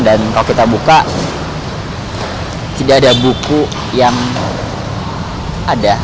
dan kalau kita buka tidak ada buku yang ada